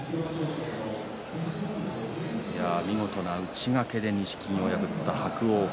見事な内掛けで錦木を破った伯桜鵬